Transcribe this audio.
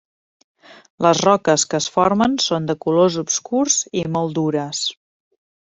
Les roques que es formen són de colors obscurs i molt dures.